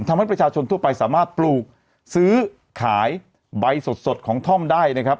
ทำให้ประชาชนทั่วไปสามารถปลูกซื้อขายใบสดของท่อมได้นะครับ